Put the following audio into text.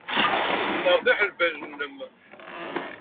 Sseṛtiḥ lbal-nnem.